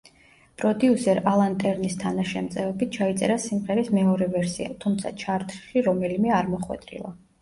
პროდიუსერ ალან ტერნის თანაშემწეობით ჩაიწერა სიმღერის მეორე ვერსია, თუმცა ჩარტში რომელიმე არ მოხვედრილა.